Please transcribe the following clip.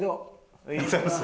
おはようございます。